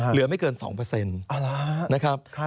เหลือไม่เกิน๒นะครับ